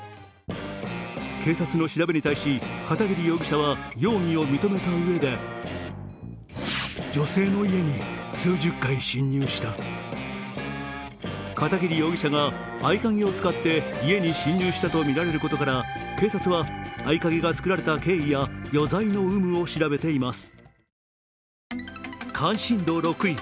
警察の調べに対し片桐容疑者は容疑を認めたうえで片桐容疑者が合鍵を使って家に侵入したとみられることから警察は、合い鍵がつくられた経緯や余罪の有無を調べています。